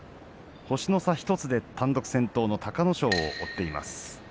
星の差１つで単独先頭の隆の勝を追っています。